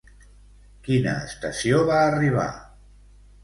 Quina estació va arribar?